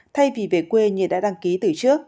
thay vì về quê như đã đăng ký từ trước